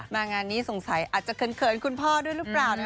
งานนี้สงสัยอาจจะเขินคุณพ่อด้วยหรือเปล่า